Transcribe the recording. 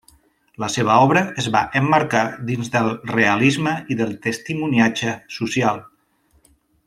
La seva obra es va emmarcar dins del realisme i del testimoniatge social.